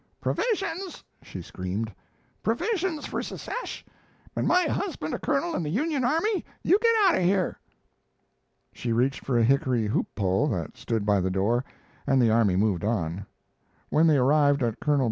"Provisions!" she screamed. "Provisions for secesh, and my husband a colonel in the Union Army. You get out of here!" She reached for a hickory hoop pole that stood by the door, and the army moved on. When they arrived at Col.